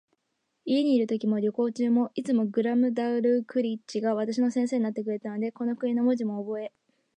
家にいるときも、旅行中も、いつもグラムダルクリッチが私の先生になってくれたので、この国の文字もおぼえ、